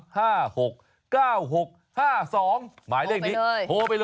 หมายเรื่องนี้โทรไปเลยโทรไปเลย